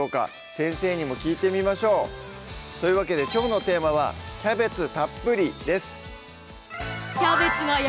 先生にも聞いてみましょうというわけできょうのテーマは「キャベツたっぷり」です